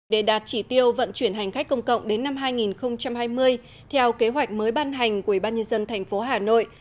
để đạt chỉ tiêu vận chuyển hành khách công cộng đến năm hai nghìn hai mươi theo kế hoạch mới ban hành của ủy ban nhân dân thành phố hà nội